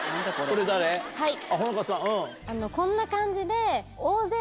こんな感じで。